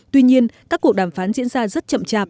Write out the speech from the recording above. tuy nhiên các cuộc đàm phán diễn ra rất chậm chạp